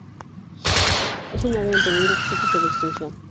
Es un ave en peligro crítico de extinción.